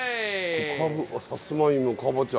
小かぶさつまいもかぼちゃ。